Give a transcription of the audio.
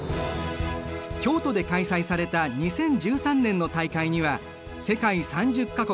京都で開催された２０１３年の大会には世界３０か国